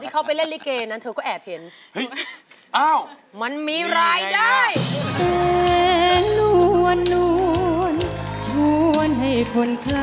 ขอบคุณครับ